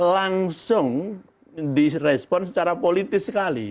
langsung di respon secara politis sekali